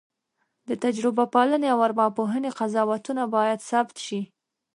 د تجربه پالنې او ارواپوهنې قضاوتونه باید ثبت شي.